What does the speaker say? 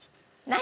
何？